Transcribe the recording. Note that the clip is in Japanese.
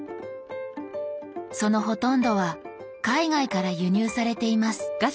そのほとんどは海外から輸入されています。